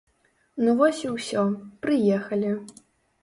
Ну, вось і ўсё, прыехалі.